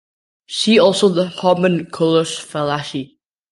See also the homunculus fallacy.